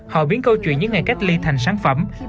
họ biến câu chuyện những ngày cách ly thành sản phẩm